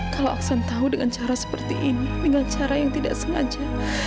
kalau aksan tahu dengan cara seperti ini dengan cara yang tidak sengaja